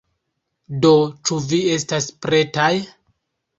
Do, ĉu vi estas pretaj?